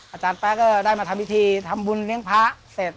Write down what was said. อาจารย์แป๊ะก็ได้มาทำพิธีทำบุญเลี้ยงพระเสร็จ